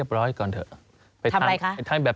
สำหรับสนุนโดยหวานได้ทุกที่ที่มีพาเลส